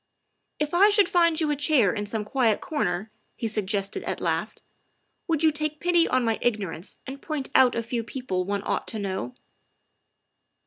" If I should find you a chair in some quiet corner," he suggested at last, " would you take pity on my igno rance and point out a few people one ought to know?"